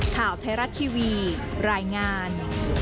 ข่าวเทราทร์ทีวีรายงาน